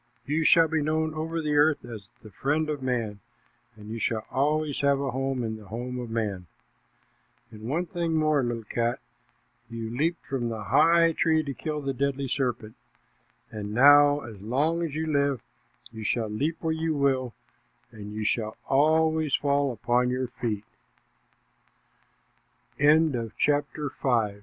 You shall be known over the earth as the friend of man, and you shall always have a home in the home of man. And one thing more, little cat: you leaped from the high tree to kill the deadly serpent, and now as long as you live, you shall leap where you will, and yo